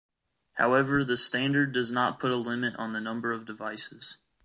However the standard does not put a limit on the number of devices.